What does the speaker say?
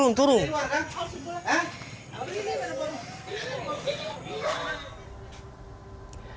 bilang turun turun turun